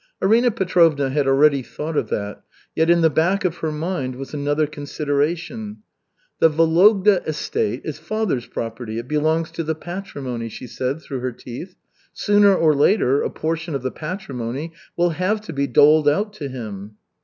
Arina Petrovna had already thought of that, yet in the back of her mind was another consideration. "The Vologda estate is father's property, it belongs to the patrimony," she said through her teeth. "Sooner or later a portion of the patrimony will have to be doled out to him."